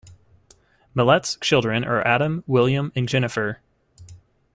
Millette's children are Adam, William and Jennifer.